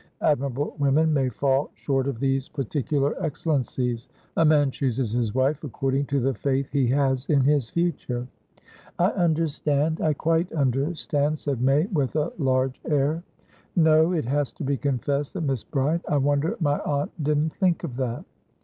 Admirable women may fall short of these particular excellencies. A man chooses his wife according to the faith he has in his future." "I understand; I quite understand," said May, with a large air. "No; it has to be confessed that Miss BrideI wonder my aunt didn't think of that."